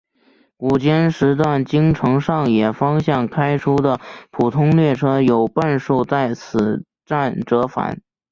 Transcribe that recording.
午间时段京成上野方向开出的普通列车有半数在此站折返。